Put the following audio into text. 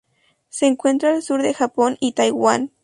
Se encuentra al sur de Japón y Taiwán.